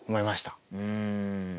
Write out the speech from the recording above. うん。